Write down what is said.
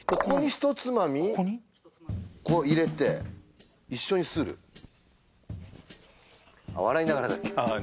ひとつまみ入れて一緒にする笑いながらだっけああ